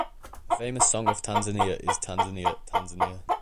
A famous song of Tanzania is Tanzania Tanzania.